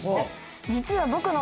実は僕の。